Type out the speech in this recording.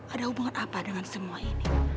ada hubungan apa dengan semua ini